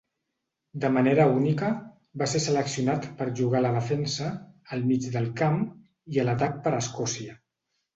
De manera única, va ser seleccionat per jugar a la defensa, el mig del camp i a l'atac per a Escòcia.